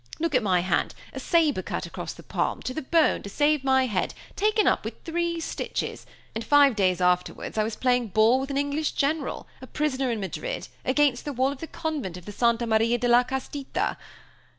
Look at my hand, a saber cut across the palm, to the bone, to save my head, taken up with three stitches, and five days afterwards I was playing ball with an English general, a prisoner in Madrid, against the wall of the convent of the Santa Maria de la Castita!